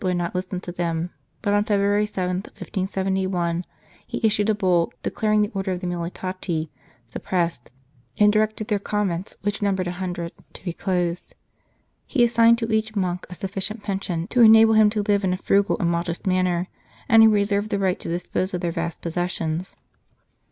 would not listen to them, but on February 7, 1571, he issued a Bull declaring the Order of the Umiliati suppressed, and directed their convents, which numbered a 88 The Humble Ones hundred, to be closed. He assigned to each monk 1 a sufficient pension to enable him to live in a frugal and modest manner, and he reserved the right to dispose of their vast possessions.